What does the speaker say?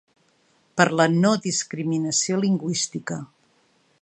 Per la no discriminació lingüística.